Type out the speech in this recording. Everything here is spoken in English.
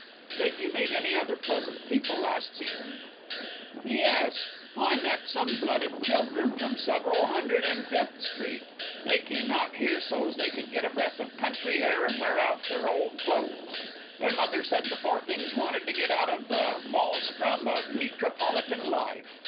"Did you meet any other pleasant people last season?" "Yes. I met some blooded children from Several Hundred and Fifth street. They come here so's they could get a breath of country air and wear out their old cloze. Their mother said the poor things wanted to get out of the mawlstrum of meetropolitan life.